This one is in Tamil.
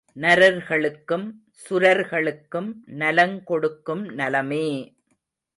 நரர்களுக்கும் சுரர்களுக்கும் நலங்கொடுக்கும் நலமே!